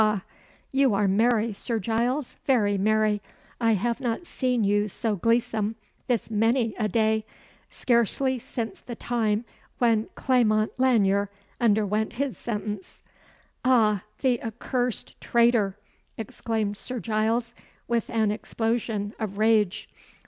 ha! You are merry, Sir Giles, very merry; I have not seen you so gleesome this many a day scarcely since the time when Clement Lanyere underwent his sentence." "Ah! the accursed traitor!" exclaimed Sir Giles, with an explosion of rage.